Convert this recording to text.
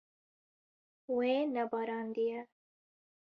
Wê nebarandiye.